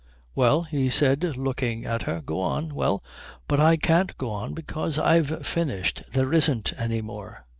"Well?" he said, looking at her, "go on." "Well, but I can't go on because I've finished. There isn't any more."